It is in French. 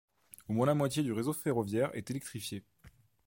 Au moins la moitié du réseau ferroviaire est électrifiée.